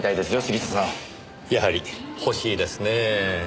やはり欲しいですねぇ。